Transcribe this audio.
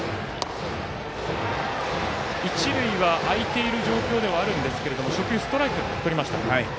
一塁は空いている状況ではありますが初球ストライクとりました。